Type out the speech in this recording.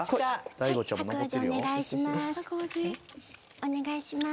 お願いします。